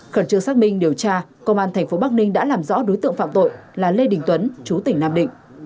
khẩn trương xác minh điều tra công an tp bắc ninh đã làm rõ đối tượng phạm tội là lê đình tuấn chú tỉnh nam định